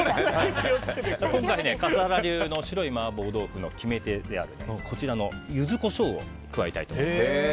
今回は笠原流の白い麻婆豆腐の決め手はこちらのユズコショウを加えたいと思います。